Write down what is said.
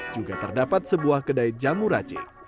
juga terdapat sebuah kedai jamu racik